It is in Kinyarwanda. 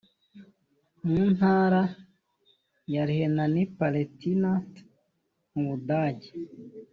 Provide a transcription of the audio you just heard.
mu ntara ya Rhenanie Palatinat mu Budage